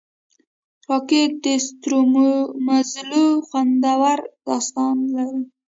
راکټ د ستورمزلو خوندور داستان لري